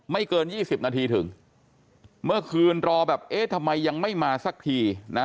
เกินยี่สิบนาทีถึงเมื่อคืนรอแบบเอ๊ะทำไมยังไม่มาสักทีนะ